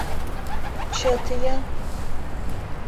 Чыте-я...